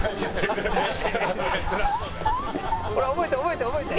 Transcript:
ほら覚えて覚えて覚えて。